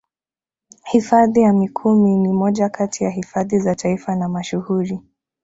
Hifadhi ya Mikumi ni moja kati ya hifadhi za Taifa na mashuhuri